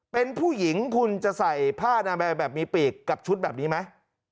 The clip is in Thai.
เป็นผู้หญิงคุณจะใส่ผ้านามัยแบบมีปีกกับชุดแบบนี้ไหม